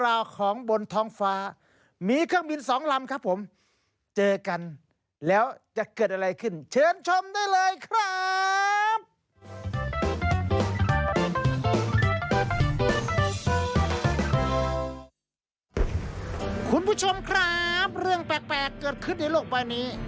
ถ้าคุณนั่งเครื่องบินแล้วเห็นเครื่องบินอีกลำนึงผ่านมาแบบนี้